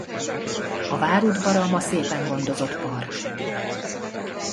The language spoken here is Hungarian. A vár udvara ma szépen gondozott park.